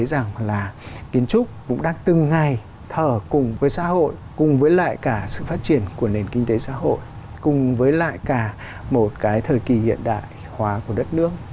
tôi thấy rằng là kiến trúc cũng đang từng ngày thở cùng với xã hội cùng với lại cả sự phát triển của nền kinh tế xã hội cùng với lại cả một cái thời kỳ hiện đại hóa của đất nước